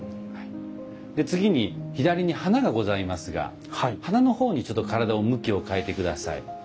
次に左に花がございますが花の方にちょっと体を向きを変えて下さい。